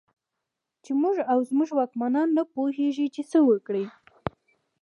چې موږ او زموږ واکمنان نه پوهېږي چې څه وکړي.